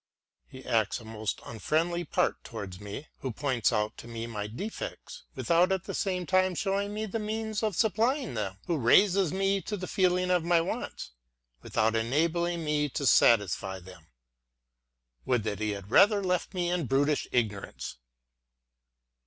He acts a most unfriendly part towards me, who points out to me my defects, without at the same time showing me the means of supplying them; who raises me to the feeling of my wants, without enabling me to satisfy them. Would that he had rather left me in brutish ignor ance